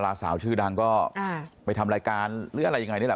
สาวชื่อดังก็ไปทำรายการหรืออะไรยังไงนี่แหละ